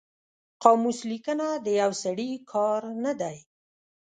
قاموس لیکنه د یو سړي کار نه دی